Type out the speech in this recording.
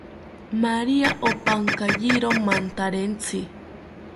Maria opankayiro mantarentzi